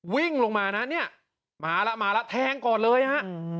วิ่งลงมานะเนี่ยมาแล้วมาแล้วแทงก่อนเลยฮะ